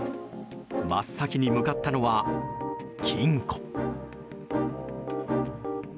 真っ先に向かったのは金庫。